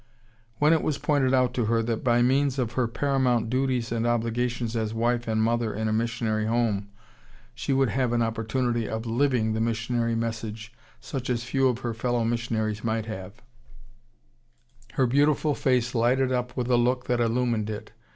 When it was pointed out to her that by means of her paramount duties and obligations as wife and mother in a missionary home she would have an opportunity of living the missionary message such as few of her fellow missionaries might have, her beautiful face lighted up with a look that illumined it.